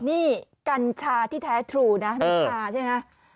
นี่กัญชาที่แท้ถูนะไม่ชาใช่ไหมครับ